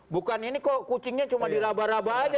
bukan ini kok kucingnya cuma dilaba laba aja